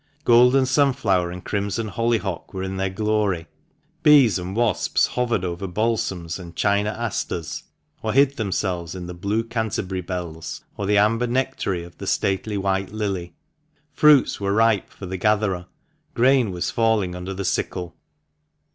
Golden sunflower and crimson hollyhock were in their glory; bees and wasps hovered over balsams and china asters, or hid themselves in the blue Canterbury bells or the amber nectary of the stately white lily. Fruits were ripe for the gatherer, grain was falling under the sickle.